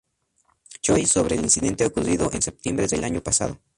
Choi sobre el incidente ocurrido en septiembre del año pasado.